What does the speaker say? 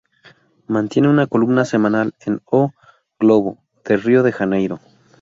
Mantiene una columna semanal en "O Globo", de Rio de Janeiro.